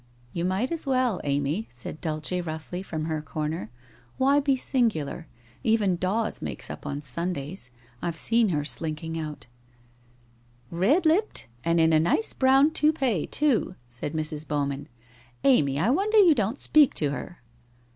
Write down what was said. You might as well, Amy,' said Dulce roughly, from her corner. * Why be singular ? Even Dawes makes up on Sundays. I have seen her slinking out '' Red lipped and in a nice brown toupee, too,' said Mrs. Bowman, ' Amy, I wonder you don't speak to her.'